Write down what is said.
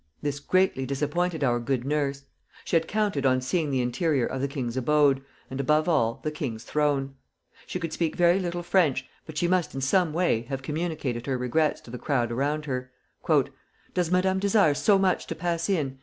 This greatly disappointed our good nurse. She had counted on seeing the interior of the king's abode, and above all, the king's throne. She could speak very little French, but she must in some way have communicated her regrets to the crowd around her. "Does Madame desire so much to pass in?"